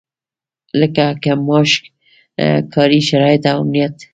لکه کم معاش، کاري شرايط او امنيت.